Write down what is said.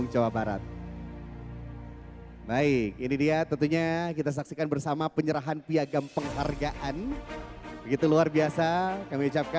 jadi kita akan bersama sama menjadi saksi